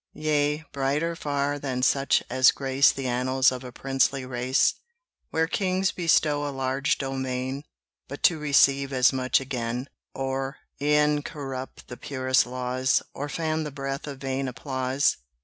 Yea, brighter far than such as grace The annals of a princely race, Where kings bestow a large domain But to receive as much again, Or e'en corrupt the purest laws, Or fan the breath of vain applause.